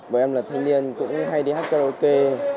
bọn em là thanh niên cũng hay đi hát karaoke